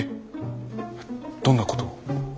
どんなことを？